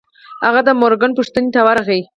هغه د مورګان پوښتنې ته ورغی.